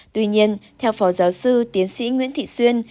tuy nhiên theo phó giáo sư tiến sĩ nguyễn thị xuyên